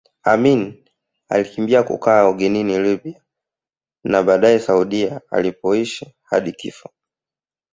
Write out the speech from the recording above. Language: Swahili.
Amin alikimbia kukaa ugenini Libya na baadae Saudia alipoishi hadi kifo chake